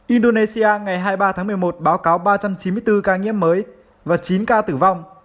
indonesia ngày hai mươi ba tháng một mươi một báo cáo ba trăm chín mươi bốn ca nhiễm mới và chín ca tử vong